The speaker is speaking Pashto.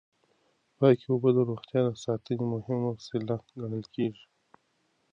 پاکې اوبه د روغتیا د ساتنې مهمه وسیله ګڼل کېږي.